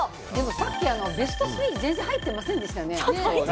さっきベスト３に全然入ってませんでしたよね。